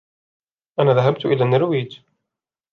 أنا ذهبت إلى النرويج.